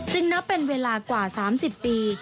นับเป็นเวลากว่า๓๐ปี